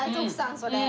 それ。